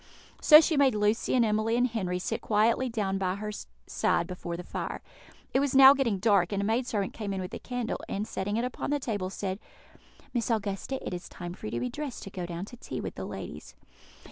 So she made Lucy and Emily and Henry sit quietly down by her side before the fire. It was now getting dark, and a maid servant came in with a candle, and, setting it upon the table, said, "Miss Augusta, it is time for you to be dressed to go down to tea with the ladies."